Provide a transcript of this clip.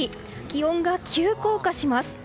気温が急降下します。